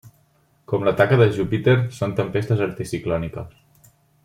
Com la taca de Júpiter, són tempestes anticiclòniques.